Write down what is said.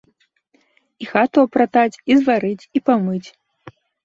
І хату апратаць, і зварыць, і памыць.